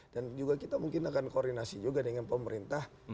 dan juga kita mungkin akan koordinasi juga dengan pemerintah